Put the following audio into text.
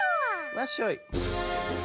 わっしょい。